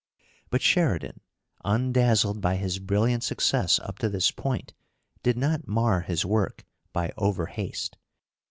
But Sheridan, undazzled by his brilliant success up to this point, did not mar his work by overhaste.